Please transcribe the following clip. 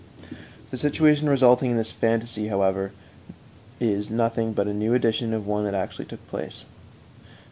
The situation resulting in this phantasy is, however, nothing but a new edition of one that actually took place.